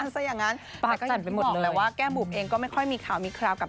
สนิทที่จะพอพัฒนาขึ้นไปได้ไหมครับ